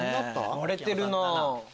割れてるな。